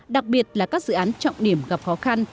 đặc biệt là các dự án trọng điểm gặp khó khăn